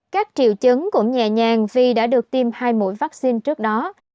các triệu chứng cũng nhẹ nhàng vì đã được tiêm hai mũi vaccine trước đó